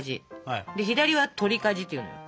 左は取りかじっていうのよ。